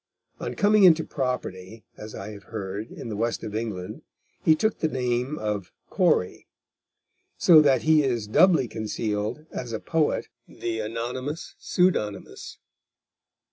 On coming into property, as I have heard, in the west of England, he took the name of Cory, So that he is doubly concealed as a poet, the anonymous pseudonymous.